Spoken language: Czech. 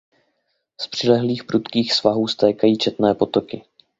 Z přilehlých prudkých svahů stékají četné potoky.